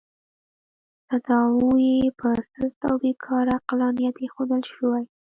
تاداو یې په سست او بې کاره عقلانیت اېښودل شوی.